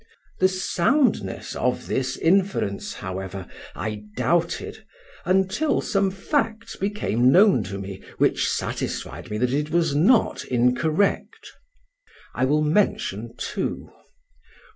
The soundness of this inference, however, I doubted, until some facts became known to me which satisfied me that it was not incorrect. I will mention two.